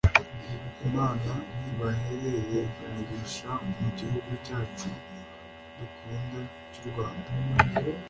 “Imana ibaherere umugisha mu gihugu cyacu dukunda cy’u Rwanda